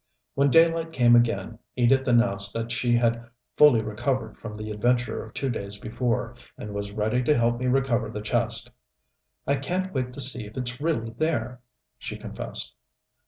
When daylight came again Edith announced that she had fully recovered from the adventure of two days before, and was ready to help me recover the chest. "I can't wait to see if it's really there," she confessed.